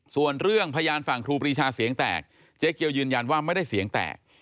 ส่วนเรื่องพยานฝั่งครูปรีชาเสียงแตกเจ๊เกียวยืนยันว่าไม่ได้เสียงแตก